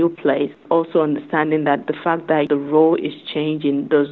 juga memahami bahwa perubahan tidak membuat kita lebih berharga atau lebih berkontribusi